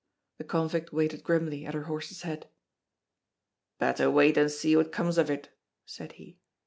The convict waited grimly at her horse's head. "Better wait and see what comes of it," said he.